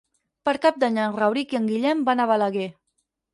Per Cap d'Any en Rauric i en Guillem van a Balaguer.